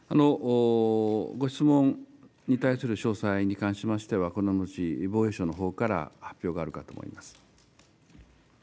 ご質問に対する詳細に関しましては、この後、防衛省のほうから発表があるかと思います。